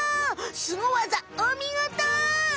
すごわざおみごと！